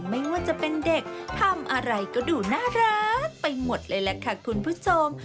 ไม่ว่าจะเป็นเด็กทำอะไรก็ดูน่ารักไปหมดเลยแหละค่ะคุณผู้ชม